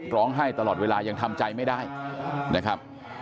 ร้องไห้ตลอดเวลายังทำใจไม่ได้นะครับ